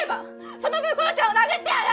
その分ころちゃんを殴ってやる！